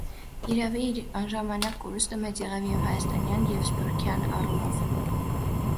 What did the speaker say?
Յիրաւի, իր անժամանակ կորուստը մեծ եղաւ ե՛ւ հայաստանեան ե՛ւ սփիւռքեան առումով։